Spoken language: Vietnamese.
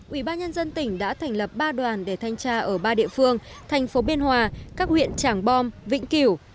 ubnd tỉnh đã thành lập ba đoàn để thanh tra ở ba địa phương thành phố biên hòa các huyện trảng bom vịnh kiểu